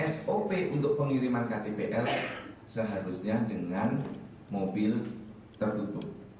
sop untuk pengiriman ktpl seharusnya dengan mobil tertutup